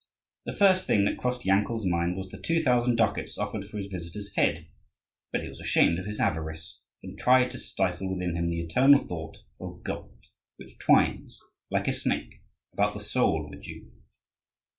The first thing that crossed Yankel's mind was the two thousand ducats offered for his visitor's head; but he was ashamed of his avarice, and tried to stifle within him the eternal thought of gold, which twines, like a snake, about the soul of a Jew.